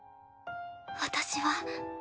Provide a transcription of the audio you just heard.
私は。